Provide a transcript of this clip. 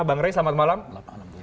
bang ray selamat malam selamat malam